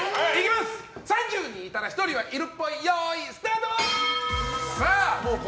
３０人いたら１人はいるっぽいよーい、スタート！